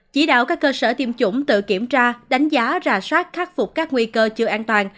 chỉ đạo các cơ sở tiêm chủng tự kiểm tra đánh giá rà soát khắc phục các nguy cơ chưa an toàn